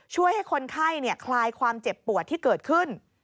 ช่วยให้คนไข้คลายความเจ็บปวดที่เกิดขึ้น